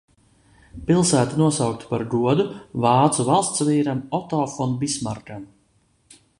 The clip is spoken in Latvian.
Pilsēta nosaukta par godu vācu valstsvīram Oto fon Bismarkam.